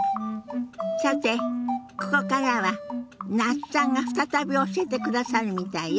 さてここからは那須さんが再び教えてくださるみたいよ。